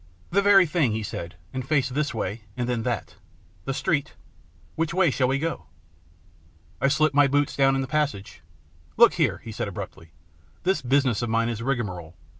" The very thing," he said, and faced this way and then that. " The street ? Which way shall we go ?" I slipped my boots down in the passage. " Look here !" he said abruptly ;" this business of mine is a rigmarole.